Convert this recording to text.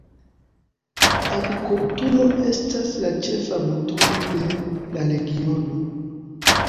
Agrikulturo estas la ĉefa motoro de la regiono.